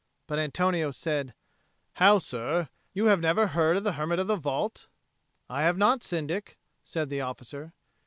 But Antonio said, "How, sir? You have never heard of the hermit of the vault?" "I have not, Syndic," said the officer.